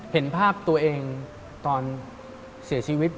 เห็นภาพตัวเองตอนเสียชีวิต